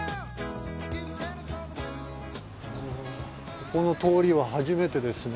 ここの通りは初めてですね